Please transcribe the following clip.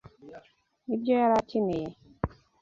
Nibyo yari akeneye.